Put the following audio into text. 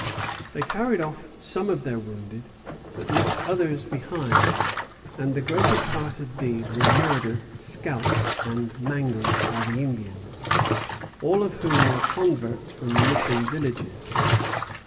They carried off some of their wounded, but left others behind; and the greater part of these were murdered, scalped, and mangled by the Indians, all of whom were converts from the mission villages.